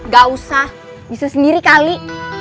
gak usah bisa sendiri kali